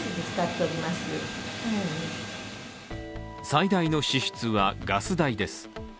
最大の支出は、ガス代です。